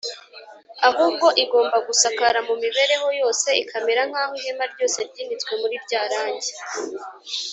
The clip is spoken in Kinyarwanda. ahubwo igomba gusakara mu mibereho yose ikamera nk’aho ihema ryose ryinitswe muri rya rangi